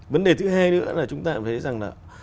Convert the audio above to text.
vấn đề thứ hai nữa là chúng ta thấy rằng